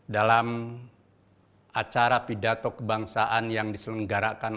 dalam acara pidato kebangsaan yang diselenggarakan